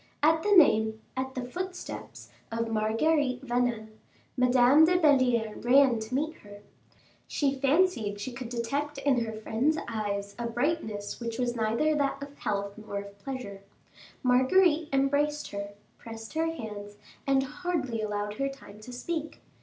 At the name at the footsteps of Marguerite Vanel, Madame de Belliere ran to meet her. She fancied she could detect in her friend's eyes a brightness which was neither that of health nor of pleasure. Marguerite embraced her, pressed her hands, and hardly allowed her time to speak.